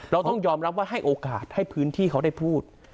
เราต้องยอมรับว่าให้โอกาสให้พื้นที่เขาได้พูด